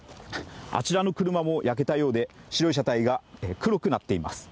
あちらの車も焼けたようで、白い車体が黒くなっています。